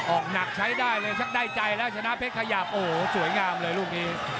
ออกหนักใช้ได้เลยชักได้ใจแล้วชนะเพชรขยับโอ้โหสวยงามเลยลูกนี้